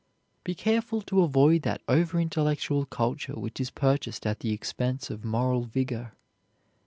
Be careful to avoid that over intellectual culture which is purchased at the expense of moral vigor.